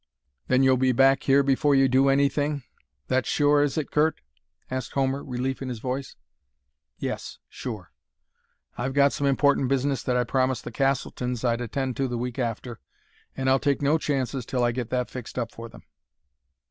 "Then you'll be back here before you do anything? That's sure, is it, Curt?" asked Homer, relief in his voice. "Yes; sure. I've got some important business that I promised the Castletons I'd attend to the week after, and I'll take no chances till I get that fixed up for them."